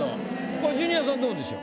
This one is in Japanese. これジュニアさんどうでしょう？